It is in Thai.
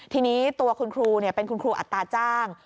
ทีนี้ตัวคุณครูเป็นคุณครูอัตราจ้าง